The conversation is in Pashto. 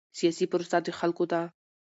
سیاسي پروسه د خلکو ده